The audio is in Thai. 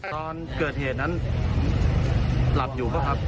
ตอนเกิดเหตุนั้นหลับอยู่ป่ะครับ